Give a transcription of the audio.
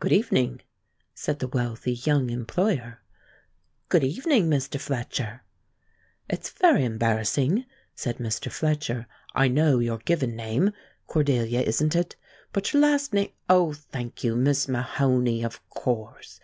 "Good evening," said the wealthy, young employer. "Good evening, Mr. Fletcher." "It's very embarrassing," said Mr. Fletcher: "I know your given name Cordelia, isn't it? but your last na Oh, thank you Miss Mahoney, of course.